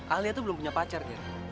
alia tuh belum punya pacar gir